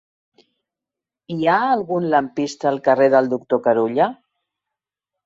Hi ha algun lampista al carrer del Doctor Carulla?